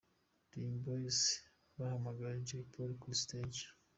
Dream Boyz bahamagaye Jay Polly kuri stage.